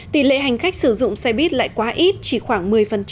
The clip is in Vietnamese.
tỷ lệ hành khách sử dụng xe buýt lại quá ít chỉ khoảng một mươi